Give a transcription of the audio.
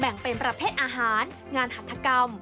เป็นประเภทอาหารงานหัฐกรรม